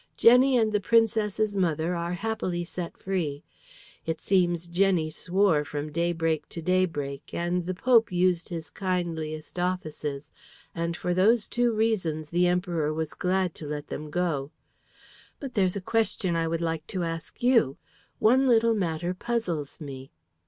Jenny and the Princess's mother are happily set free. It seems Jenny swore from daybreak to daybreak, and the Pope used his kindliest offices, and for those two reasons the Emperor was glad to let them go. But there's a question I would like to ask you. One little matter puzzles me."